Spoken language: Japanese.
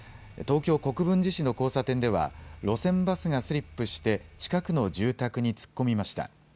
東京国分寺市の交差点では路線バスがスリップして近くの住宅に突っ込みました。